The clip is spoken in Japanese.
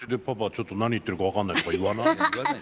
「ちょっと何言ってるか分かんない」とか言わない？